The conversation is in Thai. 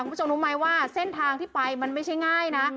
คุณผู้ชมรู้ไหมว่าเส้นทางที่ไปมันไม่ใช่ง่ายนะ